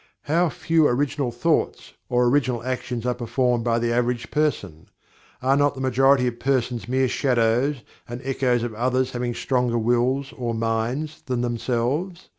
How few original thoughts or original actions are performed by the average person? Are not the majority of persons mere shadows and echoes of others having stronger wills or minds than themselves?